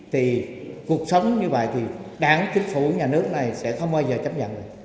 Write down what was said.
thì cuộc sống như vậy thì đảng chính phủ nhà nước này sẽ không bao giờ chấp nhận